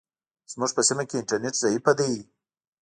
زموږ په سیمه کې انټرنیټ ضعیفه ده.